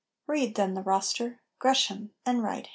Read then the roster! Gresham! Enright!